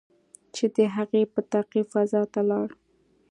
چې د هغې په تعقیب فضا ته لاړل.